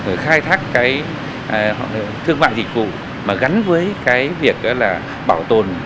để khai thác cái thương mại dịch vụ mà gắn với cái việc là bảo tồn